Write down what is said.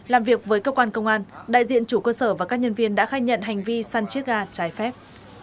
làm việc với cơ quan công an đại diện chủ cơ sở và các nhân viên đã khai nhận hành vi săn chiếc gà trái phép